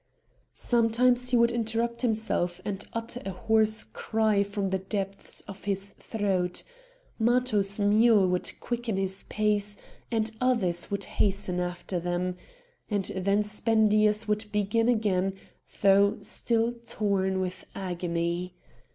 Sometimes he would interrupt himself, and utter a hoarse cry from the depths of his throat; Matho's mule would quicken his pace, and others would hasten after them, and then Spendius would begin again though still torn with agony.